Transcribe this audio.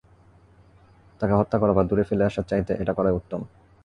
তাকে হত্যা করা বা দূরে ফেলে আসার চাইতে এটা করাই উত্তম।